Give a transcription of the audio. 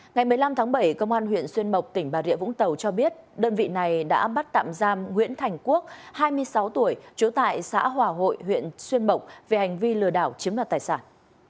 ngày một mươi năm tháng bảy công an huyện xuyên mộc tỉnh bà rịa vũng tàu cho biết đơn vị này đã bắt tạm giam nguyễn thành quốc hai mươi sáu tuổi trú tại xã hòa hội huyện xuyên mộc về hành vi lừa đảo chiếm đoạt tài sản